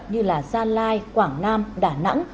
như là gia lai quảng nam đà nẵng